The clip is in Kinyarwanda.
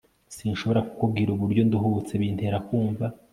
Sinshobora kukubwira uburyo nduhutse bintera kumva